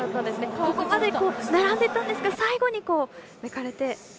ここまで並んでいたんですが最後に抜かれて。